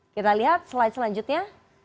kita lihat slide selanjutnya